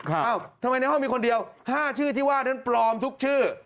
ทำไมในห้องมีคนเดียว๕ชื่อที่ว่านั้นปลอมทุกชื่อ